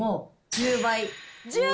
１０倍！